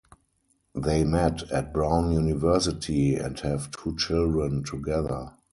They met at Brown University and have two children together.